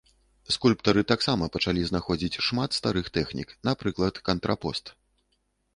Скульптары таксама пачалі знаходзіць шмат старых тэхнік, напрыклад кантрапост.